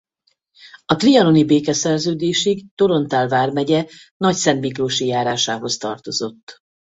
A trianoni békeszerződésig Torontál vármegye Nagyszentmiklósi járásához tartozott.